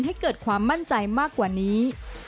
ให้เกิดความมั่นใจมากกว่านี้